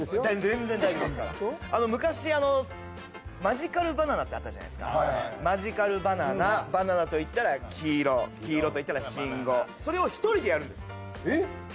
全然大丈夫ですから昔マジカルバナナってあったじゃないですかマジカルバナナバナナといったら黄色黄色といったら信号一人でやるんです